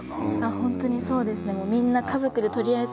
本当にそうですね。